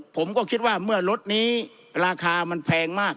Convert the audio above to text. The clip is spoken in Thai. ผมก็คิดว่าเมื่อรถนี้ราคามันแพงมาก